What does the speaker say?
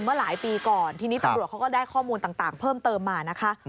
เมื่อหลายปีก่อนทีนี้ตำรวจเขาก็ได้ข้อมูลต่างเพิ่มเติมมานะคะ